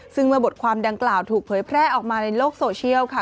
ซึ่งเมื่อบทความดังกล่าวถูกเผยแพร่ออกมาในโลกโซเชียลค่ะ